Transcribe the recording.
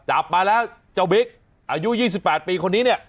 จับมาแล้วเจ้าบิ๊กอายุ๒๘ปีคนนี้เนี่ย